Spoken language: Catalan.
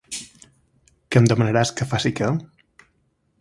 Que em demanaràs que faci què?